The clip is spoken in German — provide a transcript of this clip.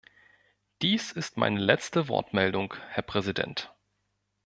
Dies ist meine letzte Wortmeldung, Herr Präsident.